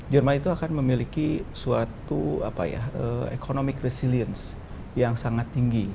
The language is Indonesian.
jerman itu akan memiliki suatu economic resilience yang sangat tinggi